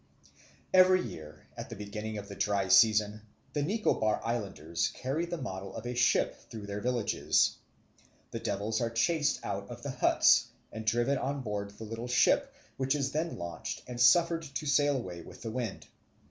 Every year, at the beginning of the dry season, the Nicobar Islanders carry the model of a ship through their villages. The devils are chased out of the huts, and driven on board the little ship, which is then launched and suffered to sail away with the wind.